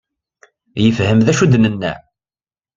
Yefhem d acu i d-nenna?